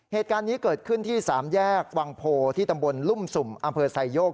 เหตุการณ์นี้เกิดขึ้นที่สามแยกวังโพที่ตำบลลุ่มสุ่มอำเภอไซโยก